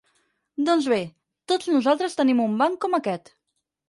Doncs bé, tots nosaltres tenim un banc com aquest.